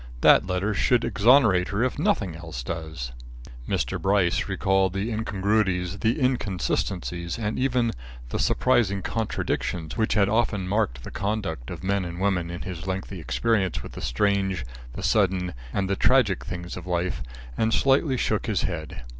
That letter should exonerate her if nothing else does." Mr. Gryce recalled the incongruities, the inconsistencies and even the surprising contradictions which had often marked the conduct of men and women, in his lengthy experience with the strange, the sudden, and the tragic things of life, and slightly shook his head.